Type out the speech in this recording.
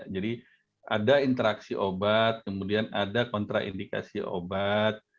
jadi ada interaksi obat kemudian ada kontraindikasi obat